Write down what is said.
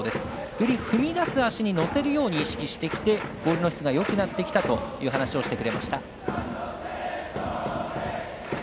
より踏み出す足に乗せるように意識してきてボールの質がよくなってきたという話をしてくれました。